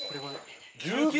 １９！